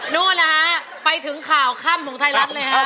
นู่นนะฮะไปถึงข่าวค่ำของไทยรัฐเลยฮะ